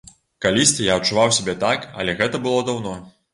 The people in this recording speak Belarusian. Калісьці я адчуваў сябе так, але гэта было даўно.